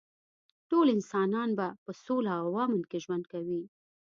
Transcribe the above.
ټول انسانان به په سوله او امن کې ژوند کوي